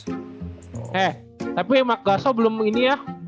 eh tapi mark gasso belum ini ya